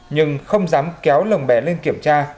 nhưng không dám kéo lồng bé lên kiểm tra